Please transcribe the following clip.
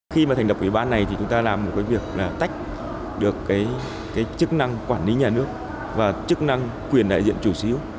khi mà thành đập ủy ban này thì chúng ta làm một cái việc là tách được cái chức năng quản lý nhà nước và chức năng quyền đại diện chủ sở hữu